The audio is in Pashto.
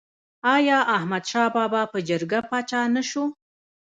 آیا احمد شاه بابا په جرګه پاچا نه شو؟